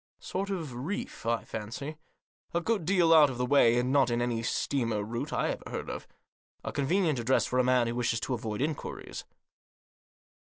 Sort of reef, I fancy. A good deal out of the way, and not in any steamer route I ever heard of. A convenient address for a man who wishes to avoid inquiries."